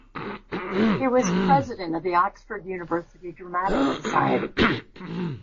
He was president of the Oxford University Dramatic Society.